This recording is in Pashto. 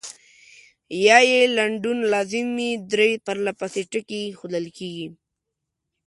یا یې لنډون لازم وي درې پرلپسې ټکي اېښودل کیږي.